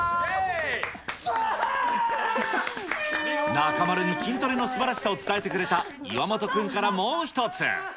中丸に筋トレのすばらしさを伝えてくれた岩本君からもう１つ。